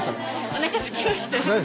おなかすきました。